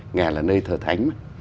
nghè là nơi thờ thánh